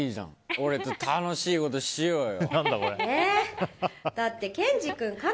俺と楽しいことしようよ。